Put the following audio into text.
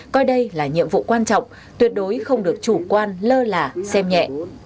coi đây là nhiệm vụ quan trọng tuyệt đối không được chủ quan lơ lả xem nhẹ